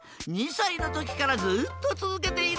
２さいのときからずっとつづけているんだ。